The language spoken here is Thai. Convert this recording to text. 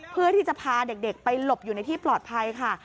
เพื่อที่จะพาเด็กไปหลบอยู่ในที่ปลอดภัยค่ะ